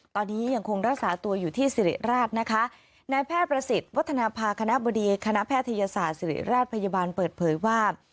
ตอนนี้ยังคงรักษาตัวอยู่ที่สิริราชนะคะนายแพทย์ประสิทธิ์วัฒนภาคณะบดีคณะแพทยศาสตร์ศิริราชพยาบาลเปิดเผยว่า